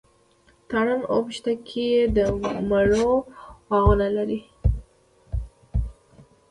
تارڼ اوبښتکۍ د مڼو باغونه لري.